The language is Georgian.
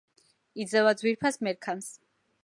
იძლევა ძვირფას მერქანს.